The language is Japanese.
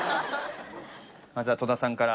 まずは戸田さんから。